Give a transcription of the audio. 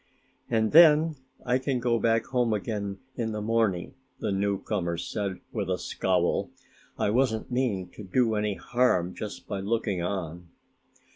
"And then I can go back home again in the morning," the newcomer said with a scowl. "I wasn't meaning to do any harm just by looking on."